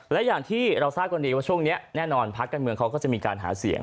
และอย่างที่เราทราบกันดีว่าช่วงนี้แน่นอนพักการเมืองเขาก็จะมีการหาเสียง